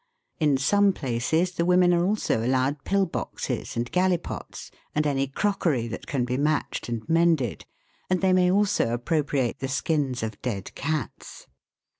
In some places the women are also allowed pill boxes and gallipots, and any crockery that can be matched and mended ; and they may also appropriate the skins of dead cats.